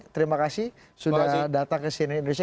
terima kasih sudah datang ke cnn indonesia